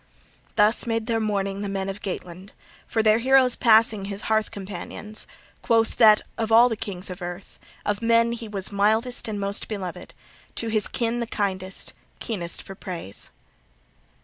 Thus made their mourning the men of Geatland, for their hero's passing his hearth companions: quoth that of all the kings of earth, of men he was mildest and most beloved, to his kin the kindest, keenest for praise.